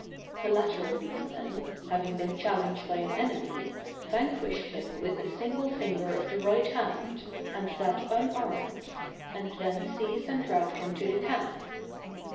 The latter of these men, having been challenged by an enemy, vanquished him with a single finger of the right hand, and that unarmed, and then seized and dragged him to the camp.